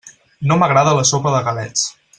No m'agrada la sopa de galets.